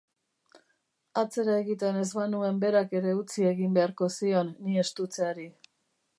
Atzera egiten ez banuen berak ere utzi egin beharko zion ni estutzeari.